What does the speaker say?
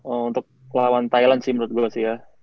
untuk lawan thailand sih menurut gue sih ya